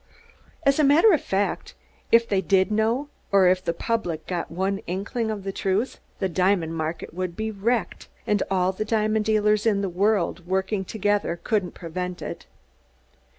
As a matter of fact, if they did know, or if the public got one inkling of the truth, the diamond market would be wrecked, and all the diamond dealers in the world working together couldn't prevent it.